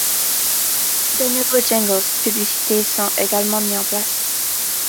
De nouveaux jingles publicité sont également mis en place.